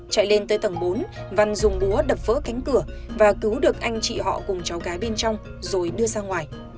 chạy lên tới tầng bốn văn dùng búa đập vỡ cánh cửa và cứu được anh chị họ cùng cháu gái bên trong rồi đưa ra ngoài